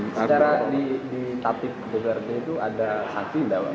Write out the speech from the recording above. secara di tatip bbrd itu ada saksi nggak pak